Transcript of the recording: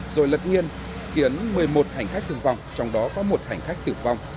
rồi lật nghiên khiến một mươi một hành khách thương vong trong đó có một hành khách tử vong